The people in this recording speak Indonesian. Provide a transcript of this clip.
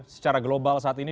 secara global saat ini